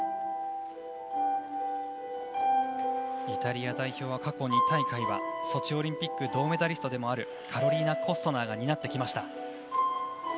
イタリア代表は過去２大会ソチオリンピック銅メダリストでもあるカロリーナ・コストナーが担ってきました。